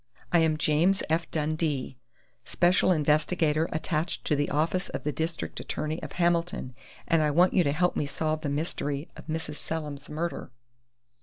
I am James F. Dundee, special investigator attached to the office of the district attorney of Hamilton, and I want you to help me solve the mystery of Mrs. Selim's murder."